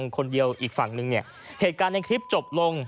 คนเดียวอีกฝั่งนึงเนี่ยเหตุการณ์ในคลิปจบลง